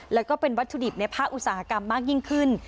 แล้วก็เป็นวัตถุดิบในภาคอุตสาหกรรมมากยิ่งขึ้น